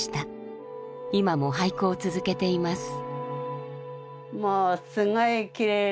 今も俳句を続けています。